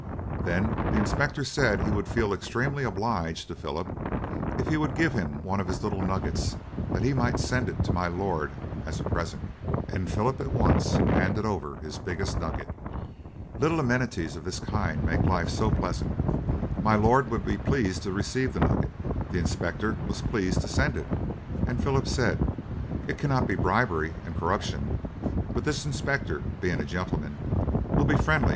Then the inspector said he would feel extremely obliged to Philip if he would give him one of his little nuggets that he might send it to my lord as a present, and Philip at once handed over his biggest nugget. Little amenities of this kind make life so pleasant. My lord would be pleased to receive the nugget, the inspector was pleased to send it, and Philip said "it cannot be bribery and corruption, but this inspector being a gentleman will be friendly.